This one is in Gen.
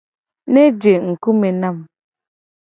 Ne je ngku me nam.